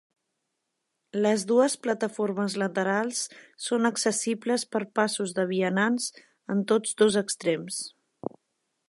Les dues plataformes laterals són accessibles per passos de vianants en tots dos extrems.